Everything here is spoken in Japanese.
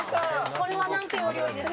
これはなんていうお料理ですか。